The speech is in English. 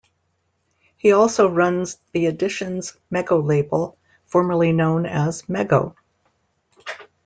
He also runs the Editions Mego label, formerly known as Mego.